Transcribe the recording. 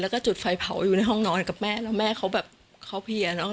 แล้วก็จุดไฟเผาอยู่ในห้องนอนกับแม่แล้วแม่เขาแบบเขาเพลียเนอะ